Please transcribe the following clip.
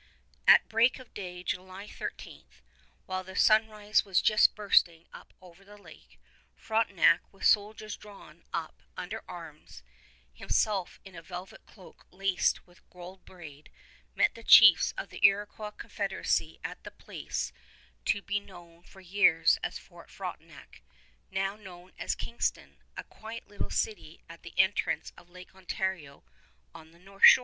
At break of day, July 13, while the sunrise was just bursting up over the lake, Frontenac, with soldiers drawn up under arms, himself in velvet cloak laced with gold braid, met the chiefs of the Iroquois Confederacy at the place to be known for years as Fort Frontenac, now known as Kingston, a quiet little city at the entrance of Lake Ontario on the north shore.